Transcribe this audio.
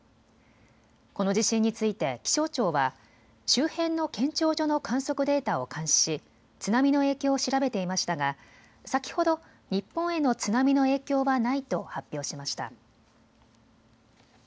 この地震について気象庁は周辺の検潮所の観測データを監視し津波の影響を調べていましたが先ほど日本への津波の影響はないと発表しました。